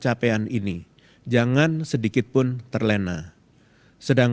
saya meminta kepada pimpinan daerah untuk mengembangkan keadaan masyarakat di daerah daerah ini